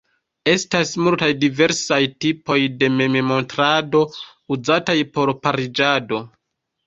Estas multaj diversaj tipoj de memmontrado uzataj por pariĝado.